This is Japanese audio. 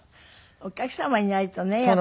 お客様いないとねやっぱり。